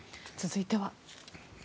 続いては。